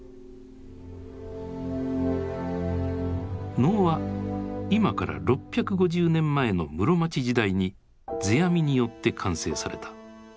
能は今から６５０年前の室町時代に世阿弥によって完成された。